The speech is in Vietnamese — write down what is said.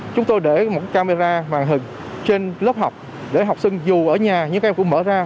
chúng tôi để một camera màn hình trên lớp học để học sinh dù ở nhà như các em cũng mở ra